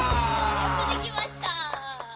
よくできました。